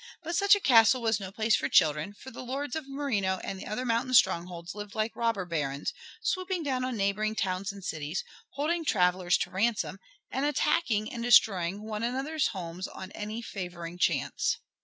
But such a castle was no place for children, for the lords of Marino and the other mountain strongholds lived like robber barons, swooping down on neighboring towns and cities, holding travelers to ransom, and attacking and destroying one another's homes on any favoring chance.